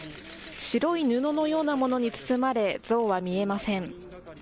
白い布のようなものに包まれ像は見えません。